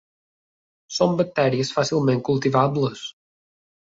Són bacteris fàcilment cultivables.